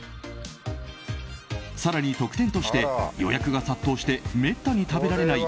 更に特典として、予約が殺到してめったに食べられない